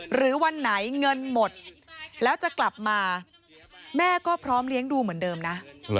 วันไหนเงินหมดแล้วจะกลับมาแม่ก็พร้อมเลี้ยงดูเหมือนเดิมนะ